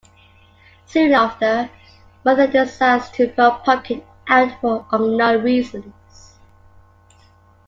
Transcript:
Soon after, Mother decides to throw Pumpkin out for unknown reasons.